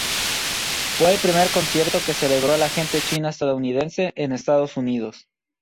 Fue el primer concierto que celebró la gente china estadounidense en Estados Unidos.